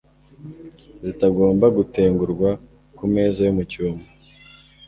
zitagomba gutegurwa ku meza yo mu cyumba